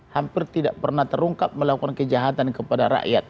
hampir tidak pernah terungkap melakukan kejahatan kepada rakyat